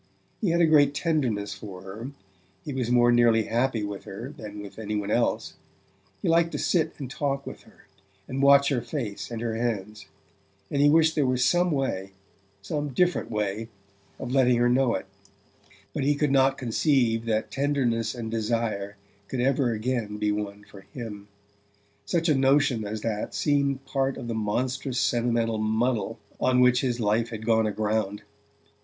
He had a great tenderness for her, he was more nearly happy with her than with any one else; he liked to sit and talk with her, and watch her face and her hands, and he wished there were some way some different way of letting her know it; but he could not conceive that tenderness and desire could ever again be one for him: such a notion as that seemed part of the monstrous sentimental muddle on which his life had gone aground.